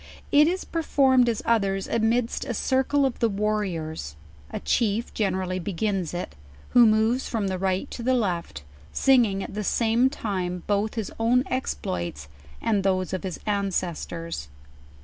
It is performed, as others, amidst a circle of the warriors; a chief generally begins it, who moves from the ri.(U to the left, singing at the same time both his own exploits, and those of his aricdfctors.